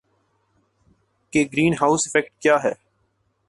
کہ greenhouse effect کیا ہے